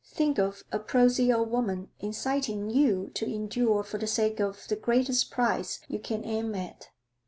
Think of a prosy old woman inciting you to endure for the sake of the greatest prize you can aim at?